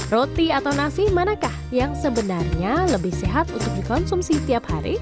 roti atau nasi manakah yang sebenarnya lebih sehat untuk dikonsumsi tiap hari